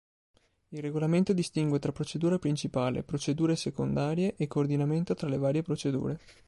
Il regolamento distingue tra Procedura principale, procedure secondarie e coordinamento tra le varie procedure.